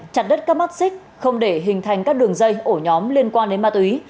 chặt đất các mắt xích không để hình thành các đường dây ổ nhóm liên quan đến ma túy